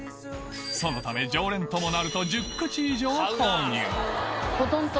そのため常連ともなると１０口以上購入